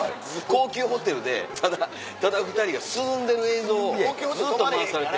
高級ホテルでただただ２人が涼んでる映像をずっと回されてる。